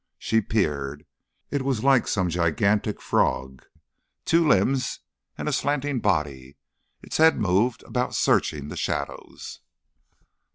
She peered. It was like some gigantic frog, two limbs and a slanting body. Its head moved about searching the shadows....